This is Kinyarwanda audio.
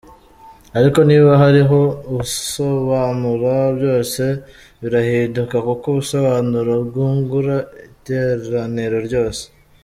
Ariko niba hariho usobanura byose birahinduka kuko ubusobanuro bwungura iteraniro ryose.